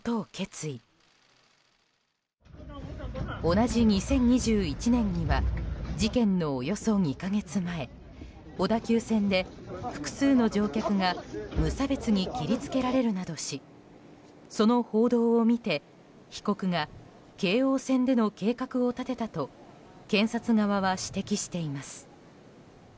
同じ２０２１年には事件のおよそ２か月前小田急線で複数の乗客が無差別に切りつけられるなどしその報道を見て、被告が京王線での計画を立てたと検察側は指摘しています。